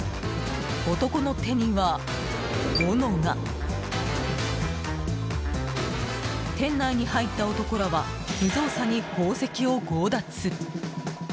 男の手には、おのが。店内に入った男らは無造作に宝石を強奪。